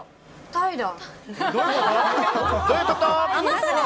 タイだ。